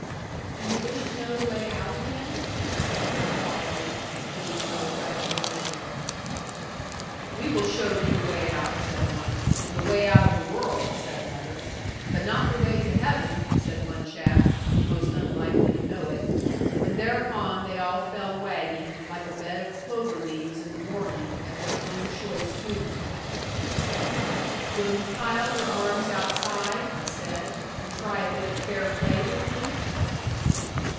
'Do you wish to know the way out again?' I asked, very quietly, as being no braggadocio. 'We will show thee the way out,' said one, 'and the way out of the world,' said another: 'but not the way to heaven,' said one chap, most unlikely to know it: and thereupon they all fell wagging, like a bed of clover leaves in the morning, at their own choice humour. 'Will you pile your arms outside,' I said, 'and try a bit of fair play with me?'